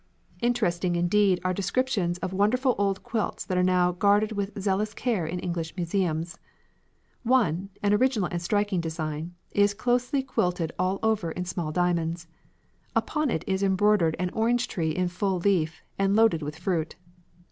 Interesting indeed are descriptions of wonderful old quilts that are now guarded with zealous care in English museums. One, an original and striking design, is closely quilted all over in small diamonds. Upon it is embroidered an orange tree in full leaf and loaded with fruit.